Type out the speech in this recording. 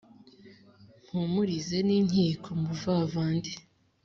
mpumurize n' inkiko muvavandi